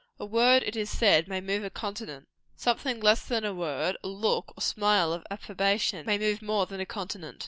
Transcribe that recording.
A word, it is said, may move a continent. Something less than a word a look or a smile of approbation may move more than a continent.